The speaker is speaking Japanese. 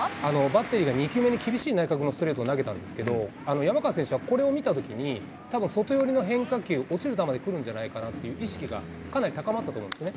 バッテリーが２球目に厳しい内角のストレートを投げたんですけど、山川選手はこれを見たときに、たぶん、外寄りの変化球、落ちる球で来るんじゃないかなという意識がかなり高まったと思うんですね。